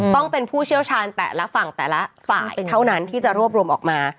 ต้องเป็นผู้เชี่ยวชาญแต่ละฝั่งแต่ละฝ่ายเท่านั้นที่จะรวบรวมออกมา